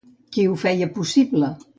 Qui ho feia possible?